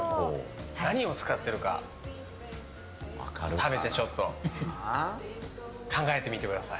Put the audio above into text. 何を使ってるか、食べてちょっと考えてみてください。